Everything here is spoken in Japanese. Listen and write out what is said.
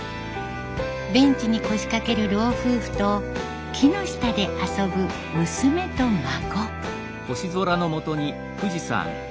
ベンチに腰掛ける老夫婦と木の下で遊ぶ娘と孫。